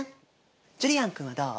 ジュリアン君はどう？